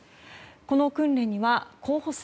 この訓練には候補生